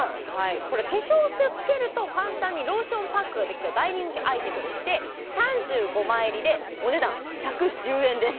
これ化粧水をつけると簡単にローションパックができちゃう大人気アイテムでして３５枚入りでお値段１１０円です